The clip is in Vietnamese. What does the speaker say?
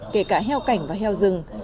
kể cả heo cảnh và heo rừng